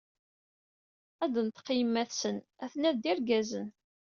A d-tenṭeq yemma-tsen: ‘’A-ten-an d irgazen”.